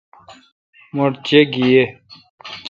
مٹھ چے° گی یے°